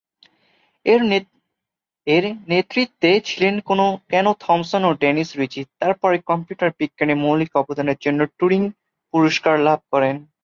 এর নেতৃত্বে ছিলেন কেন থমসন ও ডেনিস রিচি, তারা পরে কম্পিউটার বিজ্ঞানে মৌলিক অবদানের জন্য টুরিং পুরস্কার লাভ করেন।